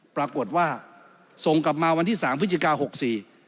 ปรากฏว่าส่งกลับมาวันที่๓พฤศจิกายนตร์๒๖๖๔